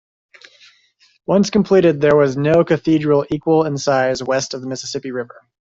Once completed, there was no cathedral equal in size west of the Mississippi River.